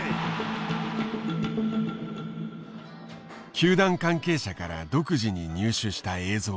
球団関係者から独自に入手した映像がある。